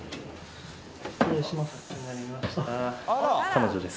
失礼します。